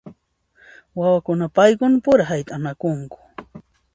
Wawakuna paykuna pura hayt'anakunku.